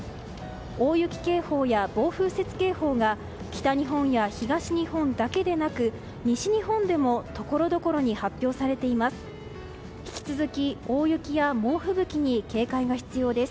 大雪警報や暴風雪警報が北日本や東日本だけでなく西日本でもところどころに発表されています。